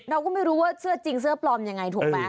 เราก็ไม่รู้ว่าเสื้อจริงเสื้อปลอมยังไงถูกไหม